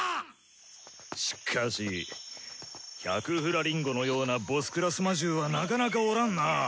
しかし百フラリンゴのような頭級魔獣はなかなかおらんな。